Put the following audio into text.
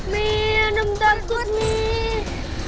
mi ada yang takut nih